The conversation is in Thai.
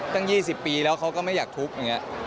ตั้ง๒๐ปีแล้วเขาก็ไม่อยากทุกข์อย่างนี้